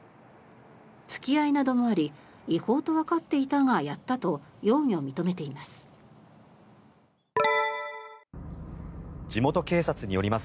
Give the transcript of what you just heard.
付き合いなどもあり違法とわかっていたがやったと容疑を認めています。